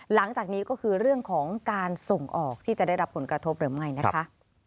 หลังจากนี้ก็คือเรื่องของการส่งออกที่จะได้รับผลกระทบหรือไม่นะคะ